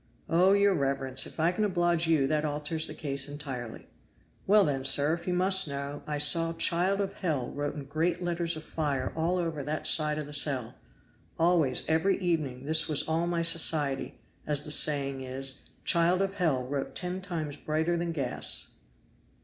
"Oh! your reverence, if I can oblige you that alters the case entirely. Well, then, sir, if you must know, I saw 'Child of Hell' wrote in great letters of fire all over that side of the cell. Always every evening this was all my society, as the saying is; 'Child of Hell' wrote ten times brighter than gas.